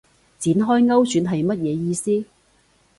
展開勾選係乜嘢意思